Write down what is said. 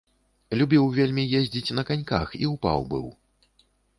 Любіў вельмі ездзіць на каньках і ўпаў быў.